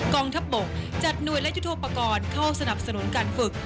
กองทัพบกจัดหน่วยและยุทธโปรกรณ์เข้าสนับสนุนการฝึก